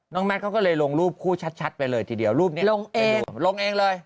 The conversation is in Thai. แมทเขาก็เลยลงรูปคู่ชัดไปเลยทีเดียวรูปนี้ลงเองลงเองเลย